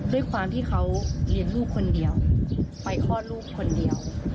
ด้วยความที่เขาเลี้ยงลูกคนเดียวไปคลอดลูกคนเดียว